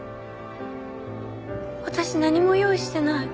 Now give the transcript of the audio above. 私何も用意してない。